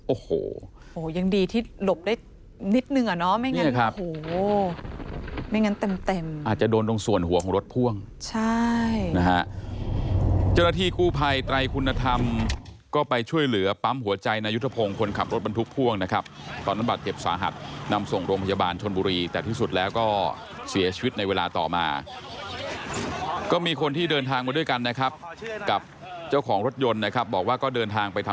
โอ้โหยังดีที่หลบได้นิดหนึ่งอ่ะเนาะไม่งั้นเต็มอาจจะโดนตรงส่วนหัวของรถพ่วงใช่นะฮะเจ้าหน้าที่กู้ภัยไตรคุณธรรมก็ไปช่วยเหลือปั๊มหัวใจนายุทธพงศ์คนขับรถบรรทุกพ่วงนะครับตอนนั้นบาดเจ็บสาหัสนำส่งโรงพยาบาลชนบุรีแต่ที่สุดแล้วก็เสียชีวิตในเวลาต่อมาก็มีคนที่